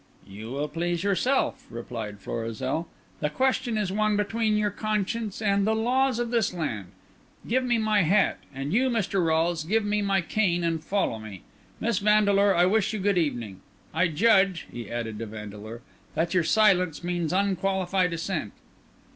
"You will please yourself," replied Florizel. "The question is one between your conscience and the laws of this land. Give me my hat; and you, Mr. Rolles, give me my cane and follow me. Miss Vandeleur, I wish you good evening. I judge," he added to Vandeleur, "that your silence means unqualified assent."